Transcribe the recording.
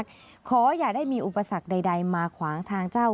ขออย่าได้มีอุปสรรคใดมาขวางทางเจ้า